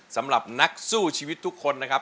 สำหรับนักสู้ชีวิตทุกคนนะครับ